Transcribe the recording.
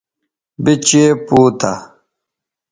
یے چئے پوتہ